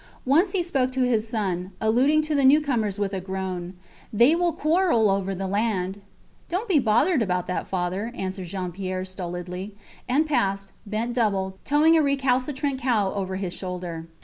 Once he spoke to his son, alluding to the newcomers with a groan: They will quarrel over the land. Dont bother about that, father, answered Jean Pierre, stolidly, and passed, bent double, towing a recalcitrant cow over his shoulder.